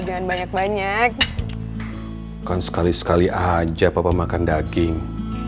jangan banyak banyak bukan sekali sekali aja papa makan daging